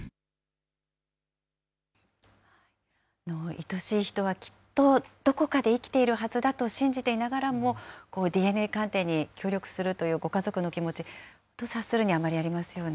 いとしい人はきっとどこかで生きているはずだと信じていながらも、ＤＮＡ鑑定に協力するというご家族の気持ち、察するにあまりありますよね。